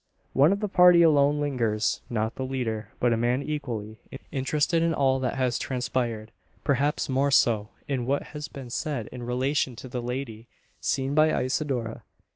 One of the party alone lingers not the leader, but a man equally interested in all that has transpired. Perhaps more so, in what has been said in relation to the lady seen by Isidora.